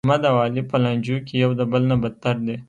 احمد او علي په لانجو کې یو د بل نه بتر دي.